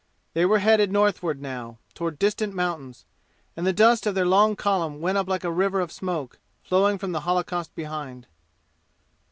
They were headed northward now, toward distant mountains, and the dust of their long column went up like a river of smoke, flowing from the holocaust behind.